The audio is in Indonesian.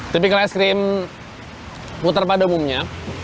tipikal es krim putar pada umumnya